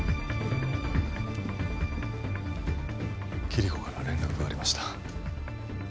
キリコから連絡がありました